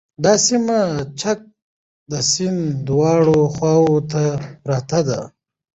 دا سیمه د چک د سیند دواړو خواوو ته پراته دي